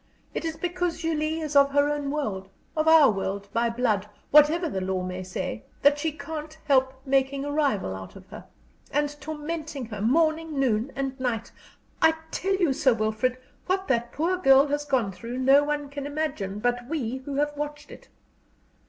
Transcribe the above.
It is because Julie is of her own world of our world, by blood, whatever the law may say that she can't help making a rival out of her, and tormenting her morning, noon, and night. I tell you, Sir Wilfrid, what that poor girl has gone through no one can imagine but we who have watched it.